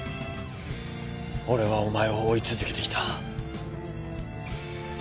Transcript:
俺はお前を追い続けてきた。